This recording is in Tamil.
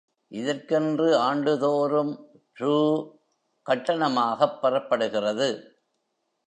இதற்கென்று ஆண்டுதோறும் ரூ. கட்டணமாகப் பெறப்படுகிறது.